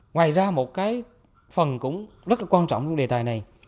ngoài ra một cái phần cũng rất là quan trọng trong đề tài này